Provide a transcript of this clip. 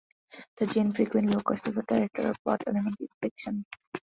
The jinn frequently occurs as a character or plot element in fiction.